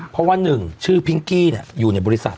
เพราะว่าหนึ่งชื่อพิงกี้อยู่ในบริษัท